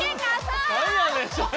なんやねんそれ。